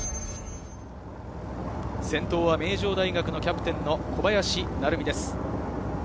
先頭は名城大学のキャプテンの小林成美です。